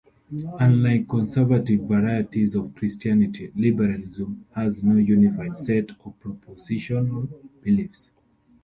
Unlike conservative varieties of Christianity, liberalism has no unified set of propositional beliefs.